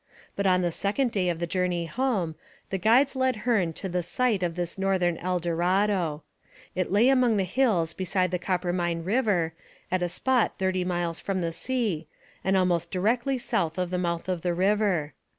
But on the second day of the journey home, the guides led Hearne to the site of this northern Eldorado. It lay among the hills beside the Coppermine river at a spot thirty miles from the sea, and almost directly south of the mouth of the river.